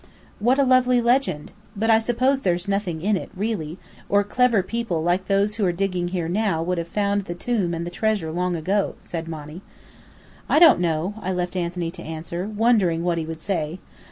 "What a lovely legend! But I suppose there's nothing in it, really, or clever people like those who're digging here now would have found the tomb and the treasure long ago," said Monny. "I don't know," I left Anthony to answer; wondering what he would say.